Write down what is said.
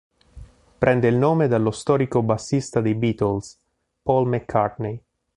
Prende il nome dallo storico bassista dei Beatles, Paul McCartney.